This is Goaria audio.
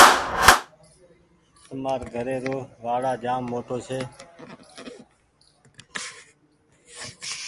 تمآر گھري رو وآڙآ جآم موٽو ڇي۔